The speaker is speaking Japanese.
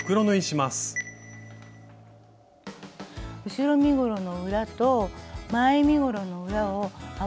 後ろ身ごろの裏と前身ごろの裏を合わせます。